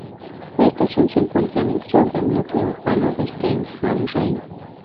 La estación se encuentra en el sur del núcleo urbano de Stein am Rhein.